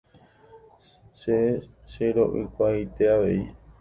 Che chero'ykuaaite avei.